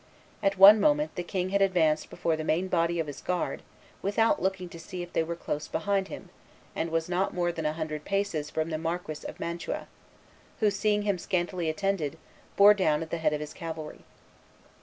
At one moment, the king had advanced before the main body of his guard, without looking to see if they were close behind him, and was not more than a hundred paces from the Marquis of Mantua, who, seeing him scantily attended, bore down at the head of his cavalry.